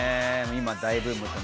今大ブームです。